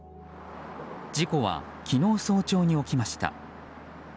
事故は昨日早朝に起きました。